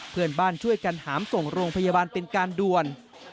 เพื่อนบ้านช่วยกันหามส่งโรงพยาบาลเป็นการด่วน